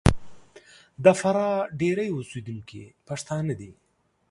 د فراه ډېری اوسېدونکي پښتانه دي.